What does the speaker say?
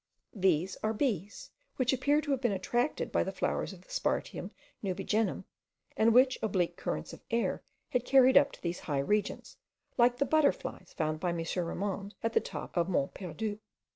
These are bees, which appear to have been attracted by the flowers of the Spartium nubigenum, and which oblique currents of air had carried up to these high regions, like the butterflies found by M. Ramond at the top of Mont Perdu.